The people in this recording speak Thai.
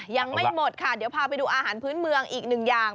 ยังไม่หมดค่ะเดี๋ยวพาไปดูอาหารพื้นเมืองอีกหนึ่งอย่าง